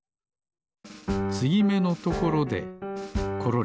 つぎめのところでころり。